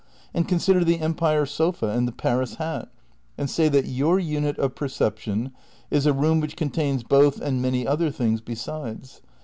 And consider the Empire sofa and the Paris hat, and say that your unit of perception is a room which con tains both and many other things besides.